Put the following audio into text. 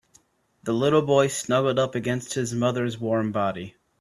The little boy snuggled up against his mother's warm body.